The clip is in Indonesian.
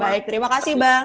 baik terima kasih bang